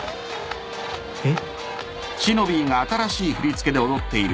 えっ？